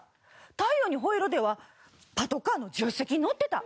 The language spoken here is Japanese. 『太陽にほえろ！』ではパトカーの助手席に乗ってた。